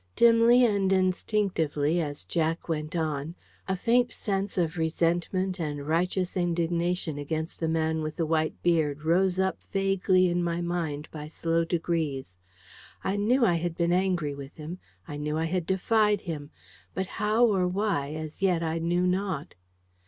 Dimly and instinctively, as Jack went on, a faint sense of resentment and righteous indignation against the man with the white beard rose up vaguely in my mind by slow degrees. I knew I had been angry with him, I knew I had defied him, but how or why as yet I knew not.